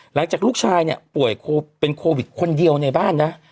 หลังจากลูกชายเนี่ยป่วยเป็นโควิดคนเดียวในบ้านนะ